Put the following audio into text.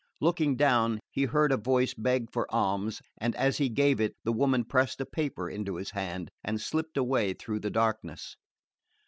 Looking down, he heard a voice beg for alms, and as he gave it the woman pressed a paper into his hand and slipped away through the darkness.